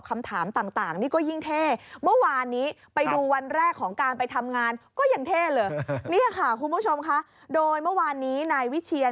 มาต้อนรับอย่างไร